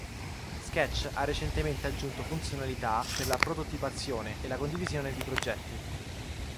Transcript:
Sketch ha recentemente aggiunto funzionalità per la prototipazione e la condivisione di progetti.